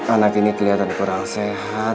anak ini kelihatan kurang sehat